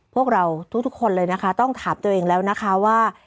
พวกเราทุกคนเลยนะคะต้องถามตัวเองแล้วนะคะว่า